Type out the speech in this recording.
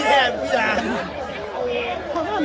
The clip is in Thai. สวัสดีครับทุกคน